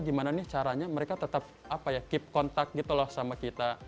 gimana nih caranya mereka tetap apa ya keep kontak gitu loh sama kita